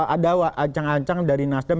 ada ancang ancang dari nasdem